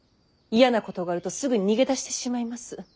嫌なことがあるとすぐに逃げ出してしまいます。